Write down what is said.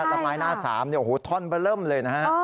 แล้วไม้หน้าสามเนี่ยโอ้โหท่อนไปเริ่มเลยนะฮะ